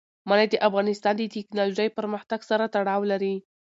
منی د افغانستان د تکنالوژۍ پرمختګ سره تړاو لري.